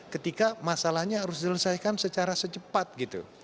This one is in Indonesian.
ketika masalahnya harus diselesaikan secara secepat gitu